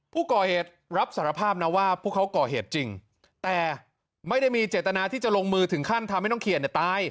ผู้ก่อเหตุรับสารภาพนะว่าพวกเขาก่อเหตุจริงแต่ไม่ได้มีเจตนาที่จะลงมือถึงขั้นทำให้น้องเขียนเนี่ยตาย